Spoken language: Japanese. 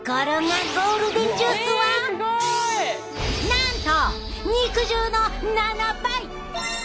なんと肉汁の７倍！